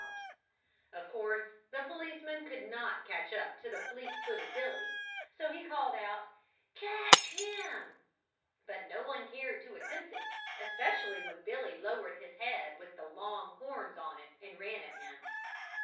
Of course the policeman could not catch up to the fleet footed Billy, so he called out "Catch him!" But no one cared to attempt it, especially when Billy lowered his head with the long horns on it and ran at him.